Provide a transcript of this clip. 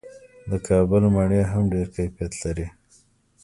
د کابل مڼې هم ډیر کیفیت لري.